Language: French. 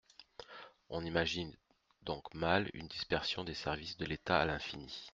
On imagine donc mal une dispersion des services de l’État à l’infini.